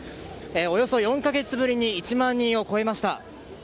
およそ４か月ぶりに１万人を超えました。